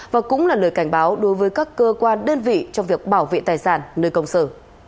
và cũng là lời cảnh báo đối với các cơ quan đơn vị trong việc bảo vệ tài sản nơi công sở